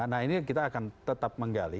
nah ini kita akan tetap menggali